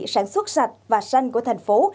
sản xuất sạch và xanh của thành phố